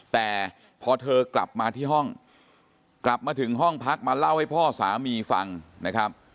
แต่พอเธอกลับมาที่ห้องกลับมาถึงห้องพักมาเล่าให้พ่อสามีฟังนะครับ